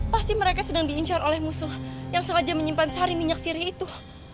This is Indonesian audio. pasti mereka sedang diincar oleh musuh yang sengaja menyimpan sari minyak siri itu